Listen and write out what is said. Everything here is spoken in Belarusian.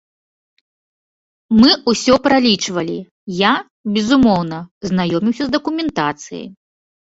Мы ўсё пралічвалі, я, безумоўна, знаёміўся з дакументацыяй.